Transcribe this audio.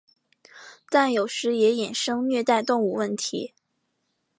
但有时也衍生虐待动物问题。